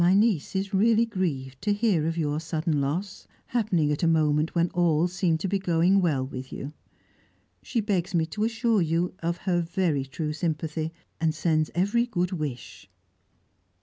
"My niece is really grieved to hear of your sudden loss; happening at a moment when all seemed to be going well with you. She begs me to assure you of her very true sympathy, and sends every good wish."